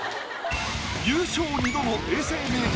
優勝２度の永世名人